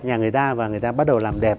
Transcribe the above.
nhà người ta và người ta bắt đầu làm đẹp